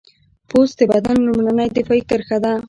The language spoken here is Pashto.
پوست د بدن لومړنۍ دفاعي کرښه ده.